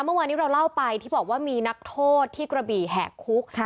เมื่อวานนี้เราเล่าไปที่บอกว่ามีนักโทษที่กระบี่แหกคุก